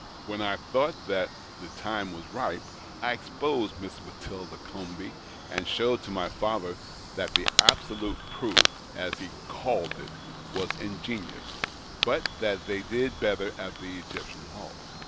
When I thought that the time was ripe, I exposed Miss Matilda Comby, and showed to my father that the absolute proof — as he called it — was ingenious, but that they did better at the Egyptian Hall.